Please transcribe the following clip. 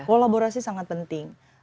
kolaborasi sangat penting